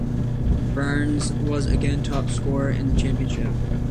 Burns was again top scorer in the Championship.